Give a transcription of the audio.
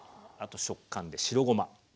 あと食感で白ごま。